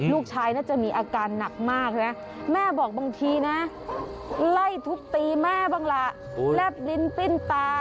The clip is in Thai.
ลูกชายน่าจะมีอาการหนักมากนะแม่บอกบางทีนะไล่ทุบตีแม่บ้างล่ะแลบลิ้นปิ้นตา